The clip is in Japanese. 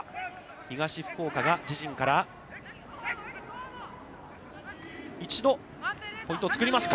東福岡が自陣から一度、ポイントを作りますか。